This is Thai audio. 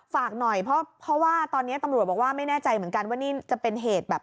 ฝากหน่อยเพราะว่าตอนนี้ตำรวจบอกว่าไม่แน่ใจเหมือนกันว่านี่จะเป็นเหตุแบบ